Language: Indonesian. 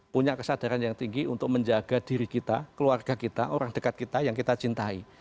punya kesadaran yang tinggi untuk menjaga diri kita keluarga kita orang dekat kita yang kita cintai